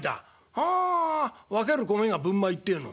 「はあ分ける米が分米ってえの。